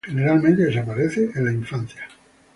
Generalmente desaparecen en la infancia.